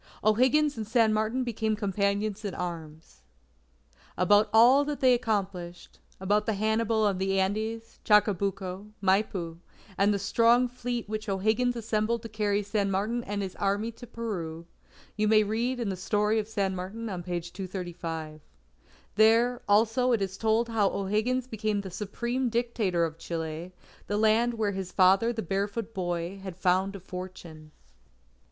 O'Higgins and San Martin became companions in arms. About all that they accomplished, about the Hannibal of the Andes, Chacabuco, Maipu, and the strong fleet which O'Higgins assembled to carry San Martin and his Army to Peru, you may read in the story of San Martin on page 235. There, also, it is told how O'Higgins became the Supreme Dictator of Chile, the land where his father the barefoot boy, had found a fortune.